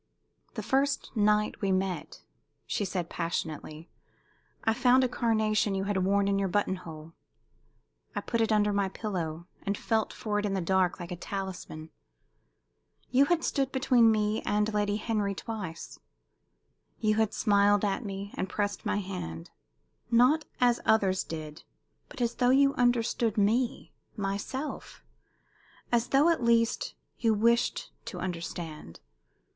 "The first night we met," she said, passionately, "I found a carnation you had worn in your button hole. I put it under my pillow, and felt for it in the dark like a talisman. You had stood between me and Lady Henry twice. You had smiled at me and pressed my hand not as others did, but as though you understood me, myself as though, at least, you wished to understand.